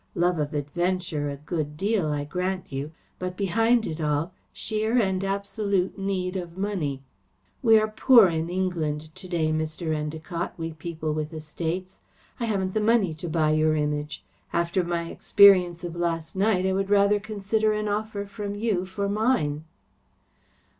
Love of adventure a good deal, I grant you, but, behind it all, sheer and absolute need of money. We are poor in England to day, Mr. Endacott, we people with estates. I haven't the money to buy your Image. After my experience of last night I would rather consider an offer from you for mine."